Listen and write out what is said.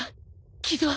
傷は！？